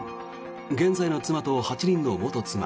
現在の妻と８人の元妻